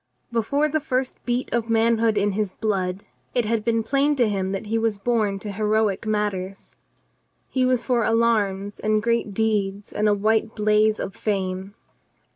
Before the first beat of manhood in his blood it had been plain to him that "he was born to heroic matters. He was for alarms and great deeds and a white blaze of fame.